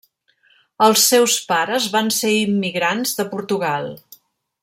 Els seus pares van ser immigrants de Portugal.